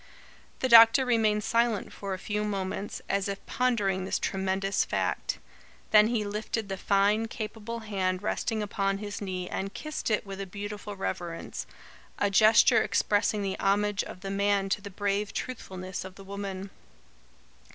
The doctor remained silent for a few moments, as if pondering this tremendous fact. Then he lifted the fine, capable hand resting upon his knee and kissed it with a beautiful reverence, a gesture expressing the homage of the man to the brave truthfulness of the woman.